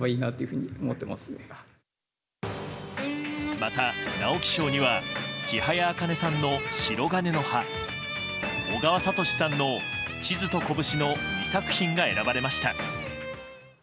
また、直木賞には千早茜さんの「しろがねの葉」小川哲さんの「地図と拳」の２作品が選ばれました。